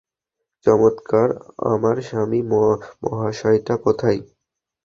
চমৎকার, আমার স্বামী মহাশয়টা কোথায়?